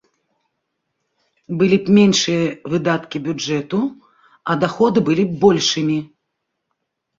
Былі б меншыя выдаткі бюджэту, а даходы былі б большымі.